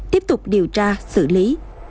tiếp tục điều tra xử lý